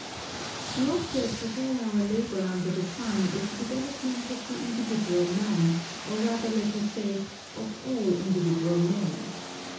The object of all our labor under the sun is the develop ment of the individual man, or rather let us say of all individual men.